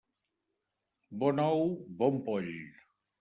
Bon ou, bon poll.